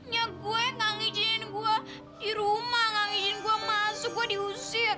ya gue gak ngijinin gue di rumah gak ngijin gue masuk gue diusir